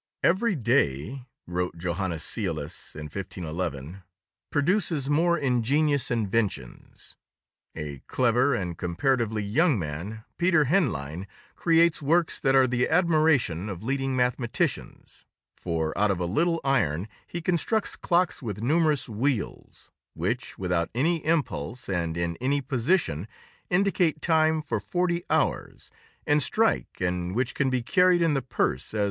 "Every day," wrote Johannes Coeuleus, in 1511, "produces more ingenious inventions. A clever and comparatively young man—Peter Henlein—creates works that are the admiration of leading mathematicians, for, out of a little iron he constructs clocks with numerous wheels, which, without any impulse and in any position, indicate time for forty hours and strike, and which can be carried in the purse as well as in the pocket."